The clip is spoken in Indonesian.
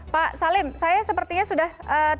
pak salim saya sepertinya sudah terhubung kembali dengan lizy